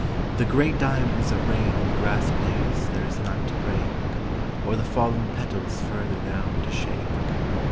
The great diamonds Of rain on the grassblades there is none to break, Or the fallen petals further down to shake.